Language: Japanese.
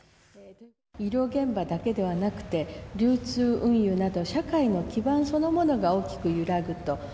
医療現場だけではなくて、流通、運輸など、社会の基盤そのものが大きく揺らぐと。